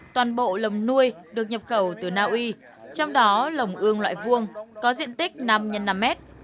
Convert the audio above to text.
toàn bộ lồng nuôi được nhập khẩu từ naui trong đó lồng ương loại vuông có diện tích năm x năm mét